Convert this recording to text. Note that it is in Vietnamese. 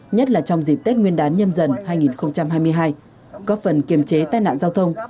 nhất là trong dịp tết nguyên đán nhâm dần hai nghìn hai mươi hai góp phần kiềm chế tai nạn giao thông